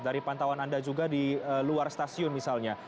dari pantauan anda juga di luar stasiun misalnya